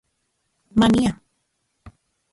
Mania